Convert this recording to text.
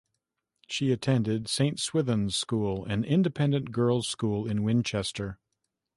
She attended Saint Swithun's School, an independent girls' school in Winchester.